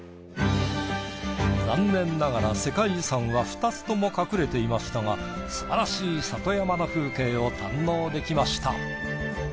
残念ながら世界遺産は２つとも隠れていましたがすばらしい里山の風景を堪能できました。